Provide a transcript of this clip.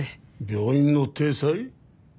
病院の体裁？